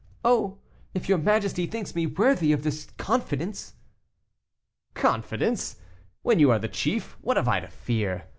"Oh! if your majesty thinks me worthy of this confidence." "Confidence! When you are the chief, what have I to fear?